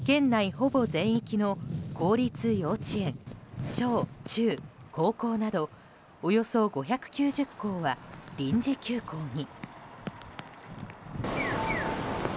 ほぼ全域の公立幼稚園小中高校などおよそ５９０校は臨時休校に。